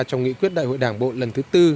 trong nghị quyết đại hội đảng bộ lần thứ tư